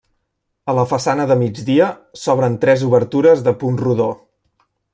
A la façana de migdia s'obren tres obertures de punt rodó.